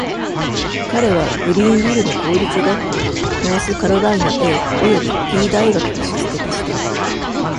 彼はグリーンビルの公立学校とノースカロライナ A および T 大学に出席した。